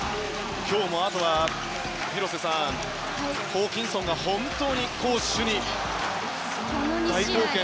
今日も、あとはホーキンソンが本当に攻守に大貢献。